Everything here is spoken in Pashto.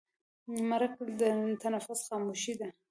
مرګ د نفس خاموشي ده.